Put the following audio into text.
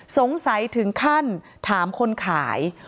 ถึงขั้นถามคนขาย